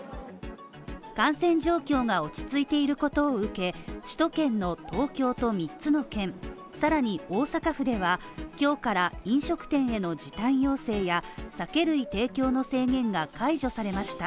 感染状況が落ち着いていることを受け、首都圏の東京と３つの県更に大阪府では今日から飲食店への時短要請や酒類提供の制限が解除されました。